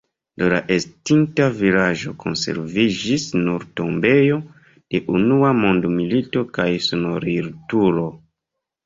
De la estinta vilaĝo konserviĝis nur tombejo de Unua mondmilito kaj sonorilturo.